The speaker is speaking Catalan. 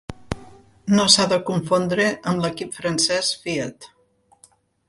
No s'ha de confondre amb l'equip francès Fiat.